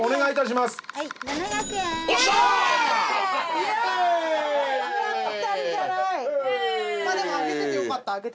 まあでも上げててよかった